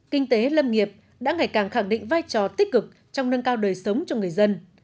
kinh tế lâm nghiệp đã ngày càng khẳng định vai trò tích cực trong nâng cao đời sống cho người dân